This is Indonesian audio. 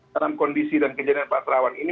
dalam kondisi dan kejadian pak terawan ini